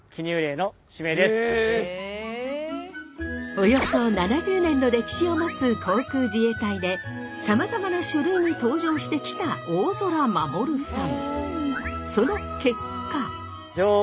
およそ７０年の歴史を持つ航空自衛隊でさまざまな書類に登場してきた大空守さん。